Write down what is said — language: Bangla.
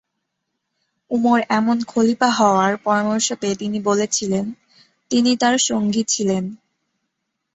উমর এখন খলিফা হওয়ার পরামর্শ পেয়ে তিনি বলেছিলেন, "তিনি তাঁর সঙ্গী ছিলেন"।